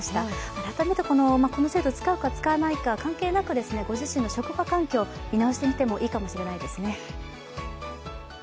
改めてこの制度使うか使わないか関係なく、ご自身の職場環境を見直してみてもいいかもしれないですね。